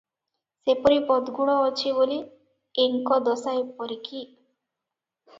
ସେପରି ବଦ୍ଗୁଣ ଅଛି ବୋଲି ଏଙ୍କ ଦଶା ଏପରି କି?